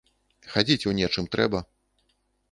Хадзіць у нечым трэба.